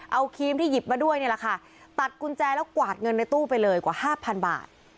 เอาครีมที่หยิบมาด้วยนี่แหละค่ะตัดกุญแจแล้วกวาดเงินในตู้ไปเลยกว่าห้าพันบาท